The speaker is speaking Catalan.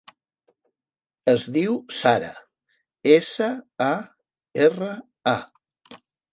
Es diu Sara: essa, a, erra, a.